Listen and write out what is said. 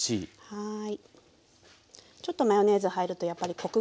はい。